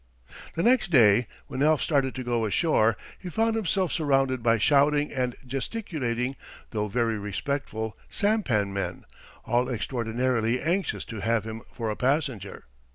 The next day, when Alf started to go ashore, he found himself surrounded by shouting and gesticulating, though very respectful, sampan men, all extraordinarily anxious to have him for a passenger.